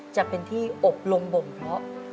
จะเป็นที่ประโยคลงบมเผ้า